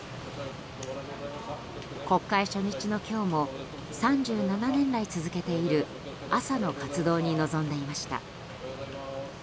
国会初日の今日も３７年来続けている朝の活動に臨んでいました。